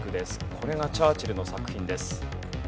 これがチャーチルの作品です。